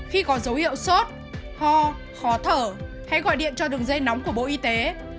khi có dấu hiệu sốt ho khó thở hãy gọi điện cho đường dây nóng của bộ y tế một nghìn chín trăm linh chín nghìn chín mươi năm